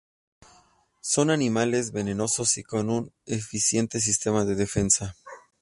Son animales venenosos y con un eficiente sistema de defensa.